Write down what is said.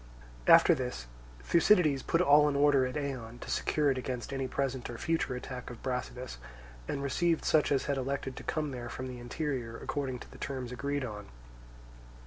After this Thucydides put all in order at Eion to secure it against any present or future attack of Brasidas, and received such as had elected to come there from the interior according to the terms agreed on.